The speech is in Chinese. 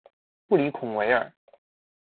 布里孔维尔。